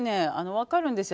分かるんですよ